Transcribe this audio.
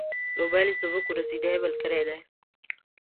موبایل زموږ ورځنی ملګری دی.